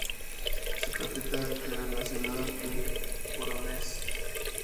Su capital era la ciudad de Vorónezh.